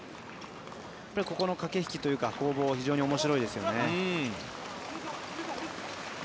ここの駆け引きというか攻防は非常に面白いですよね。